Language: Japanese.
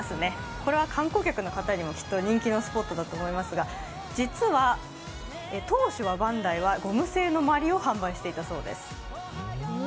これは観光客の方にも人気のスポットだと思いますが実は当初はバンダイはゴム製のまりを販売していたそうです。